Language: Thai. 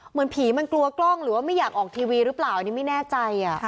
เหมือนผีมันกลัวกล้องหรือว่าไม่อยากออกทีวีหรือเปล่าอันนี้ไม่แน่ใจ